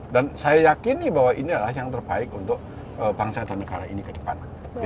dan saya yakini bahwa ini adalah yang terbaik untuk bangsa dan negara ini ke depan